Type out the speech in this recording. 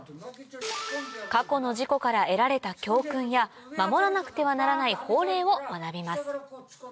過去の事故から得られた教訓や守らなくてはならない法令を学びます